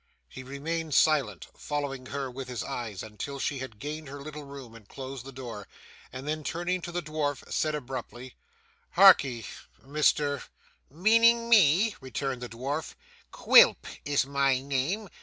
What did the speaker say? He remained silent, following her with his eyes, until she had gained her little room and closed the door; and then turning to the dwarf, said abruptly, 'Harkee, Mr ' 'Meaning me?' returned the dwarf. 'Quilp is my name.